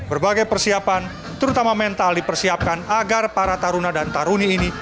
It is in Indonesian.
berbagai persiapan terutama mental dipersiapkan agar para taruna dan taruni ini